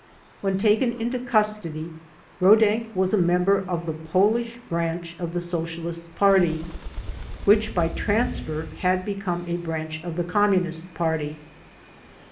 When taken into custody Rodak was a member of the Polish Branch of the Socialist Party which by transfer had become a branch of the Communist Party.